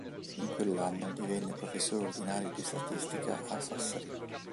In quell'anno divenne professore ordinario di statistica a Sassari.